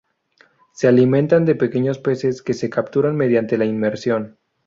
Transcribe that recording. Se alimentan de pequeños peces que capturan mediante la inmersión.